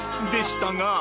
でしたが。